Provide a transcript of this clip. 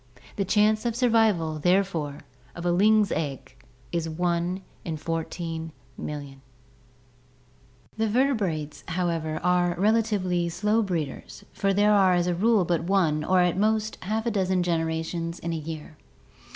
The chance of survival, therefore, of a ling's egg is one in fourteen million. 104 ORGANIC EVOLUTION The vertebrates, however, are relatively slow breeders, for there are as a rule but one or at most a half a dozen generations in a year.